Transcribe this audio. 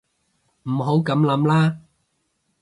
唔好噉諗啦